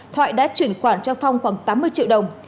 thoại đã chuyển khoản cho phong khoảng tám mươi triệu đồng